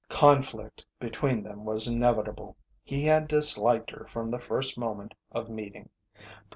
Conflict between them was inevitable. He had disliked her from the first moment of meeting.